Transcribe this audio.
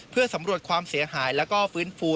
เพื่อสำรวจความเสียหายแล้วก็ฟื้นฟู